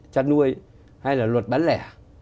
chăn nuôi hay là luật bán lẻ